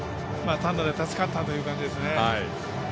単打で助かったという感じですね。